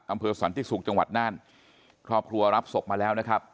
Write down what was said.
อำเภอสันติศุกร์จังหวัดน่านครอบครัวรับศพมาแล้วนะครับ